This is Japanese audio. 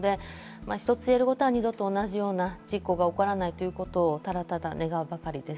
一つ言えるのは二度と同じような事故が起こらないということをただ願うばかりです。